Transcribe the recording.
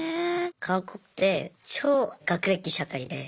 韓国って超学歴社会で。